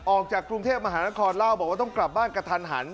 ออกจากกรุงเทพมหานครเล่าบอกว่าต้องกลับบ้านกระทันหัน